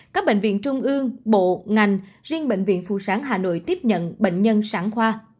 các bệnh viện trung ương bộ ngành riêng bệnh viện phù sáng hà nội tiếp nhận bệnh nhân sẵn khoa